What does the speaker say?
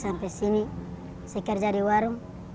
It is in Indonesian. sampai sini saya kerja di warung